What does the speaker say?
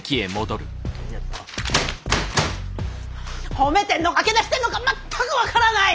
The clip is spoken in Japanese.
褒めてんのかけなしてんのか全く分からない！